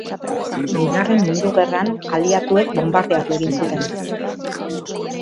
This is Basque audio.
Bigarren Mundu Gerran aliatuek bonbardatu egin zuten.